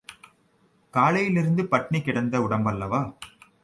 காலையிலிருந்து பட்டினி கிடந்த உடம்பல்லவா!